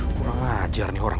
kurang ajar nih orang